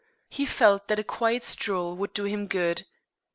He felt that a quiet stroll would do him good.